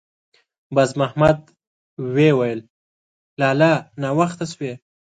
باز محمد ویې ویل: «لالا! ناوخته شوې.»